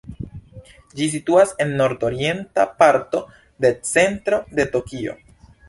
Ĝi situas en nord-orienta parto de centro de Tokio.